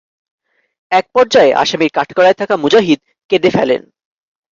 একপর্যায়ে আসামির কাঠগড়ায় থাকা মুজাহিদ কেঁদে ফেলেন।